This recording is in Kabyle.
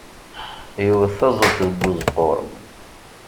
Yewwet taẓẓelt deg uzeqqur.